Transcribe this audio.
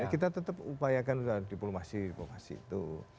kita tetap upayakan di diplomasi dipomasi itu